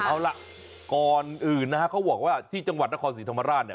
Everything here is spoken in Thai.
เอาล่ะก่อนอื่นนะฮะเขาบอกว่าที่จังหวัดนครศรีธรรมราชเนี่ย